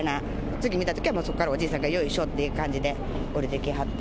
次見たときは、そこからおじいさんがよいしょっていう感じで降りてきはった。